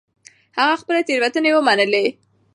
هغه خپلې تېروتنې ومنلې.